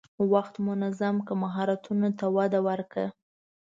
وخت منظم کړه، مهارتونو ته وده ورکړه.